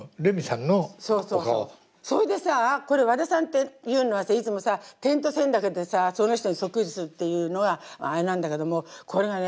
それでさ和田さんっていうのはさいつもさ点と線だけでさその人にそっくりにするっていうのがあれなんだけどもこれがね